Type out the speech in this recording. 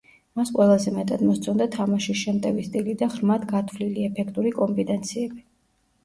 მას ყველაზე მეტად მოსწონდა თამაშის შემტევი სტილი და ღრმად გათვლილი, ეფექტური კომბინაციები.